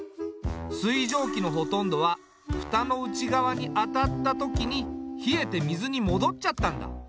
水蒸気のほとんどは蓋の内側に当たった時に冷えて水に戻っちゃったんだ。